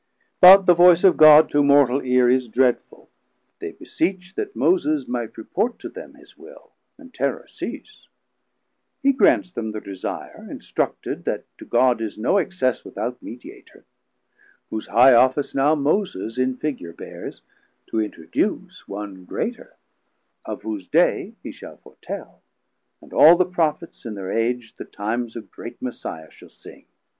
But the voice of God To mortal eare is dreadful; they beseech That Moses might report to them his will, And terror cease; he grants them thir desire, Instructed that to God is no access Without Mediator, whose high Office now Moses in figure beares, to introduce 240 One greater, of whose day he shall foretell, And all the Prophets in thir Age the times Of great Messiah shall sing.